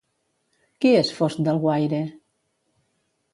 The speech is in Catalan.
Qui és Fost d'Alguaire?